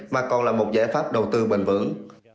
mà còn là một giải pháp đầu tư bền vững